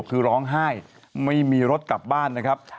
คือร้องไห้ไม่มีรถกลับบ้านนะครับ